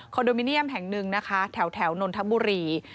โดมิเนียมแห่งหนึ่งนะคะแถวนนทบุรี